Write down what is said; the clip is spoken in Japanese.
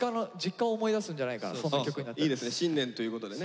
いいですね新年ということでね。